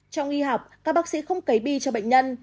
trong y học các bác sĩ không cấy bi cho bệnh nhân